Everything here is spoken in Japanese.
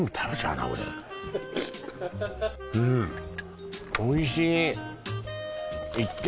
うんおいしい